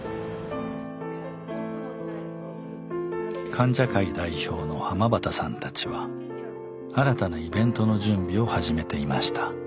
患者会代表の濱端さんたちは新たなイベントの準備を始めていました。